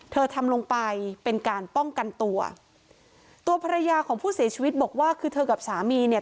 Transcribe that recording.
ทำลงไปเป็นการป้องกันตัวตัวภรรยาของผู้เสียชีวิตบอกว่าคือเธอกับสามีเนี่ย